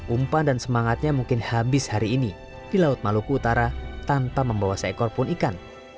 umpan dan semangatnya mungkin habis hari ini di laut maluku utara tanpa membawa seekor pun ikan